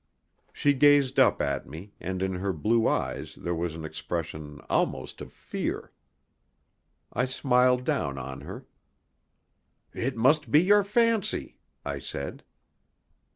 She gazed up at me, and in her blue eyes there was an expression almost of fear. I smiled down on her. "It must be your fancy," I said.